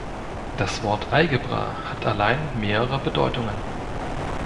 Das Word „Algebra“ hat allein mehrere Bedeutungen.